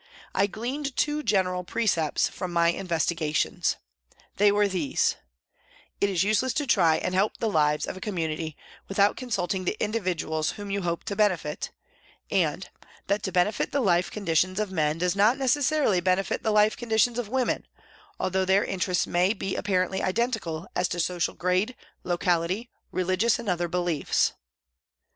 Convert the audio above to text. I gleaned two general precepts from my investigations. They were these : INTRODUCTION 7 It is useless to try and help the lives of a com munity without consulting the individuals whom you hope to benefit, and that to benefit the life conditions of men does not necessarily benefit the life conditions of women, although their interests may be apparently identical as to social grade, locality, religious and other beliefs.